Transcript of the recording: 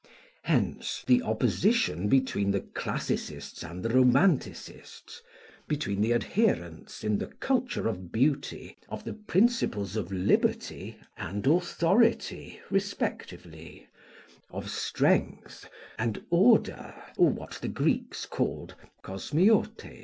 Hence, the opposition between the classicists and the romanticists between the adherents, in the culture of beauty, of the principles of liberty, and authority, respectively of strength, and order or what the Greeks called kosmiotês.